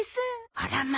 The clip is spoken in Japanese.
あらま。